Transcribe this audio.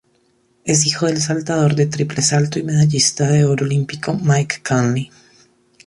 Es hijo del saltador de triple salto y medallista de oro olímpico, Mike Conley.